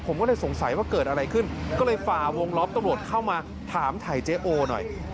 ผมก็เลยสงสัยว่าเกิดอะไรขึ้นก็เลยฝ่าวงล้อมตำรวจเข้ามาถามถ่ายเจ๊โอหน่อย